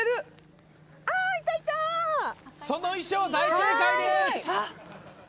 その衣装、大正解です！